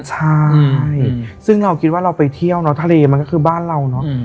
ใช่ซึ่งเราคิดว่าเราไปเที่ยวเนอะทะเลมันก็คือบ้านเราเนอะ